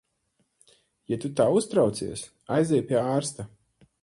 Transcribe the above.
Ja tu tā uztraucies, aizej pie ārsta.